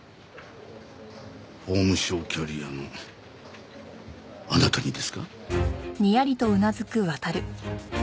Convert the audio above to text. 法務省キャリアのあなたにですか？